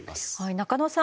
中野さん